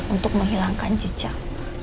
untuk menghilangkan jejak